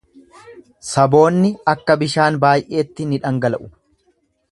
Saboonni akka bishaan baay'eetti ni dhangala'u.